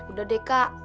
udah deh kak